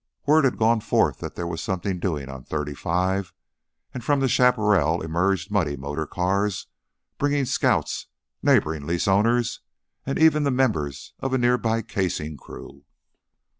Word had gone forth that there was something doing on thirty five, and from the chaparral emerged muddy motor cars bringing scouts, neighboring lease owners, and even the members of a near by casing crew.